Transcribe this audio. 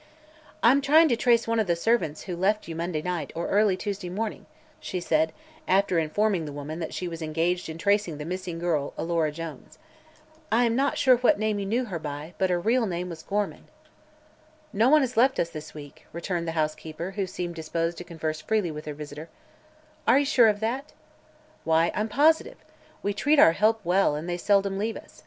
"I'm trying to trace one of the servants who left you Monday night, or early Tuesday morning," she said, after informing the woman that she was engaged in tracing the missing girl, Alora Jones. "I am not sure what name you knew her by, but her real name was Gorham." "No one has left us this week," returned the housekeeper, who seemed disposed to converse freely with her visitor. "Are you sure of that?" "Why, I'm positive. We treat our help well and they seldom leave us.